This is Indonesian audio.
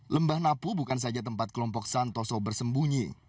lembah napu bukan saja tempat kelompok santoso bersembunyi